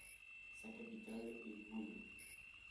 Sa capitale est Moyo.